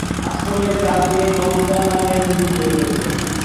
আশ্রমের কাছ দিয়ে 'গঙ্গা' নামের নদী বয়ে গেছে।